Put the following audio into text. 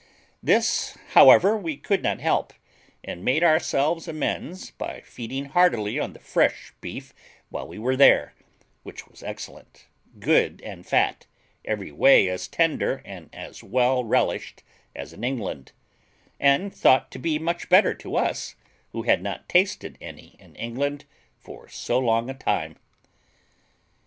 This, however, we could not help, and made ourselves amends by feeding heartily on the fresh beef while we were there, which was excellent, good and fat, every way as tender and as well relished as in England, and thought to be much better to us who had not tasted any in England for so long a time.